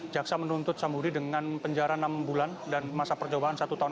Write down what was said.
jaksa menuntut sam budi dengan penjara enam bulan dan masa perjawaan satu tahun